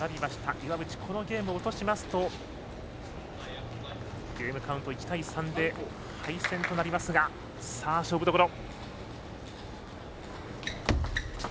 岩渕、このゲームを落としますとゲームカウント１対３で敗戦となりますが勝負どころ。